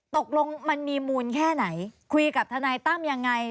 ตกลงมันมีมูลแค่ไหนคุยกับทนายตั้มยังไง